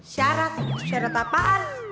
syarat syarat apaan